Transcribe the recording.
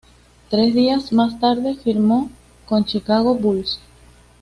Tres días más tarde firmó con Chicago Bulls.